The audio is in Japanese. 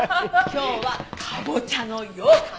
今日はカボチャのようかん。